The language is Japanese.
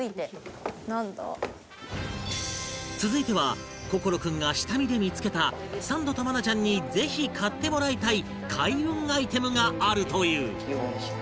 続いては心君が下見で見つけたサンドと愛菜ちゃんにぜひ買ってもらいたい開運アイテムがあるという